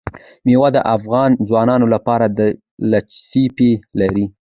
مېوې د افغان ځوانانو لپاره دلچسپي لري.